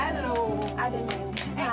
ada tante ini